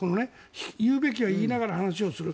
言うべきは言いながら話をする。